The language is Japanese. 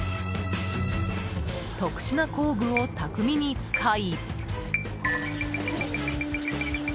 特殊な工具を巧みに使い。